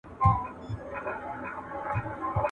رضا ئې که، ملا ئې ور ماته که.